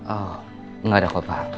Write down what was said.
oh nggak ada apa apa